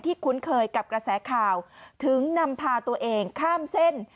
คุ้นเคยกับกระแสข่าวถึงนำพาตัวเองข้ามเส้น